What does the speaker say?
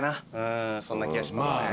そんな気がしますね。